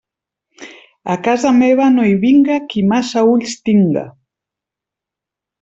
A casa meva no hi vinga qui massa ulls tinga.